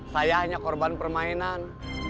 saya hanya korban permainan